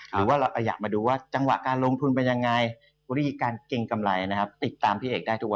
หรือว่าเราอยากมาดูว่าจังหวะการลงทุนเป็นยังไง